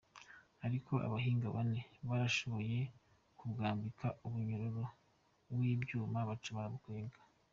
Ariko abahinga bane barashoboye kubwambika umunyororo w’ivyuma baca barabukwega.